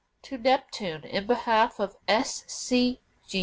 TO NEPTUNE, IN BEHALF OF S. C.